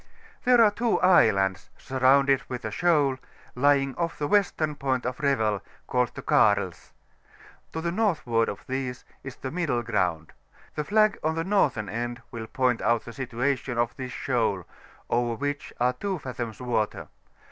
There are two islands^ surrounded with a shoaly lying off the western point of Revel, called the Karls: to the northward of these is the mi&le GrouTid; the flag on the northern end will point out the situation of this sTioal^ over which are 2 fathoms water.